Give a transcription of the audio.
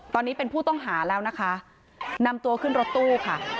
ตอนนี้เป็นผู้ต้องหาแล้วนะคะนำตัวขึ้นรถตู้ค่ะ